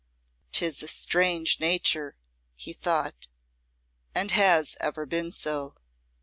"'Tis a strange nature," he thought, "and has ever been so.